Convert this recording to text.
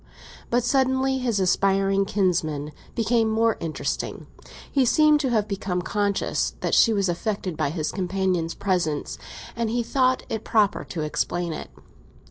But suddenly his aspiring kinsman became more interesting. He seemed to have become conscious that she was affected by his companion's presence, and he thought it proper to explain it.